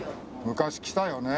昔来たよね。